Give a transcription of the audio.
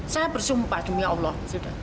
saya bersumpah dunia allah